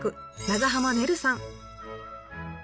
長濱ねるさん。